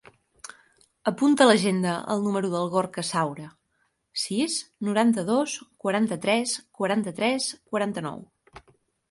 Apunta a l'agenda el número del Gorka Saura: sis, noranta-dos, quaranta-tres, quaranta-tres, quaranta-nou.